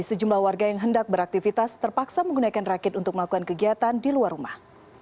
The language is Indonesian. sejumlah warga yang hendak beraktivitas terpaksa menggunakan rakit untuk melakukan kegiatan di luar rumah